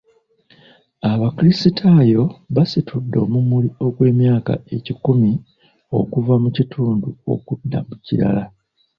Abakrisitaayo basitudde omumuli ogw'emyaka ekikumi okuva mu kitundu okudda mu kirala.